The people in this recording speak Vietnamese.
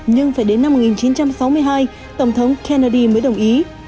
nhưng phải đến năm một nghìn chín trăm sáu mươi hai tổng thống kennedy mới đồng ý